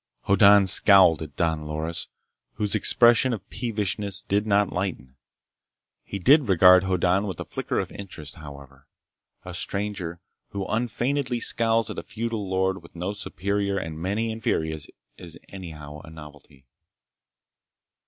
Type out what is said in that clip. Hoddan scowled at Don Loris, whose expression of peevishness did not lighten. He did regard Hoddan with a flicker of interest, however. A stranger who unfeignedly scowls at a feudal lord with no superior and many inferiors is anyhow a novelty.